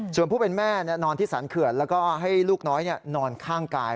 ส่วนผู้เป็นแม่นอนที่สรรเขื่อนแล้วก็ให้ลูกน้อยนอนข้างกาย